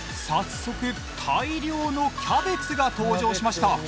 早速大量のキャベツが登場しました。